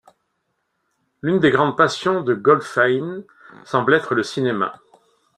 L'une des grandes passions de Goldfayn semble être le cinéma.